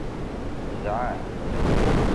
Dɛan.